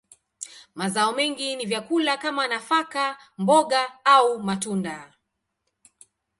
Mazao mengi ni vyakula kama nafaka, mboga, au matunda.